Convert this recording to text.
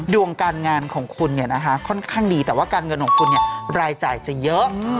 ดวงการงานของคุณเนี่ยนะคะค่อนข้างดีแต่ว่าการเงินของคุณรายจ่ายจะเยอะ